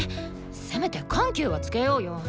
せめて緩急はつけようよ。